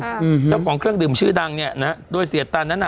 ทใบเปล่ากองเครื่องดื่มชื่อดังเนี่ยนะโดยเสี่ยตันนั้นอ่ะ